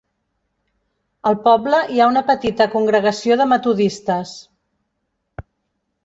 Al poble hi ha una petita congregació de metodistes.